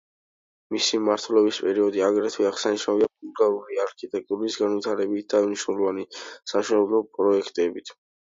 მისი მმართველობის პერიოდი აგრეთვე აღსანიშნავია ბულგარული არქიტექტურის განვითარებით და მნიშვნელოვანი სამშენებლო პროექტებით.